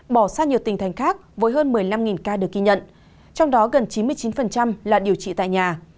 bỏ xa nhiều tỉnh thành khác với hơn một mươi năm ca được ghi nhận trong đó gần chín mươi chín là điều trị tại nhà